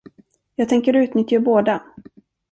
Jag tänker utnyttja båda.